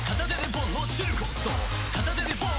片手でポン！